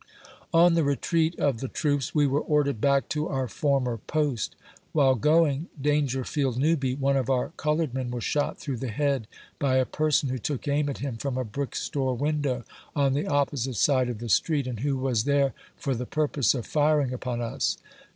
On the retreat of the troops, we were ordered back to our former post. While going, Dangerfield Newby, one of our colored men, was shot through the head by a person who took aim at him from a brick store window, on the opposite side of the street, and who was there for the purpose of firing upon us.